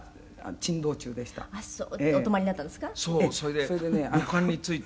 それでね」